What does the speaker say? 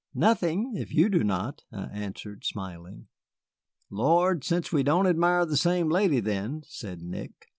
"Nothing, if you do not," I answered, smiling. "Lord send we don't admire the same lady, then," said Nick.